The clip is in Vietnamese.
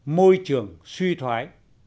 môi trường suy thoái